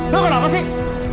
lo kenapa sih